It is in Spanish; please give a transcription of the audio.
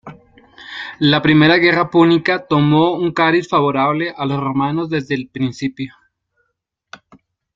La primera guerra púnica tomó un cariz favorable a los romanos desde el principio.